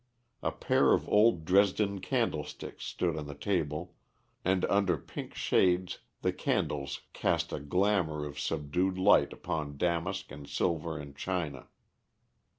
A pair of old Dresden candlesticks stood on the table, and under pink shades the candles cast a glamor of subdued light upon damask and silver and china.